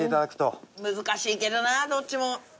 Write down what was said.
難しいけどなどっちも。